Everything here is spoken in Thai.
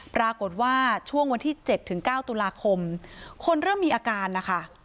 ปรากฏว่าช่วงวันที่เจ็ดถึงเก้าตุลาคมคนเริ่มมีอาการนะคะ